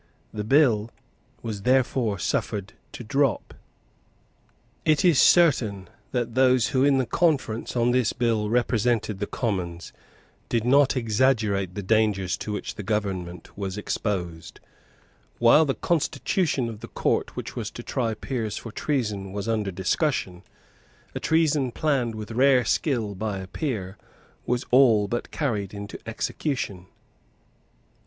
The bill was therefore suffered to drop. It is certain that those who in the conference on this bill represented the Commons, did not exaggerate the dangers to which the government was exposed. While the constitution of the Court which was to try peers for treason was under discussion, a treason planned with rare skill by a peer was all but carried into execution.